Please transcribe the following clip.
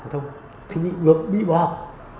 thì bị bỏ học